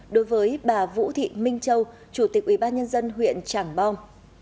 đối với bà vũ thị minh châu chủ tịch ủy ban nhân dân huyện tràng bom